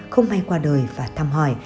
không may qua đời và thăm hỏi